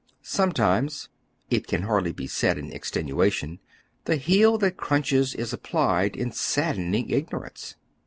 Sometimes — it can hardly be said in extenua tion — the heel that crunches is applied in saddening ig norance.